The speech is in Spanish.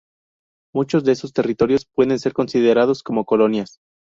Muchos de estos territorios pueden ser considerados como colonias.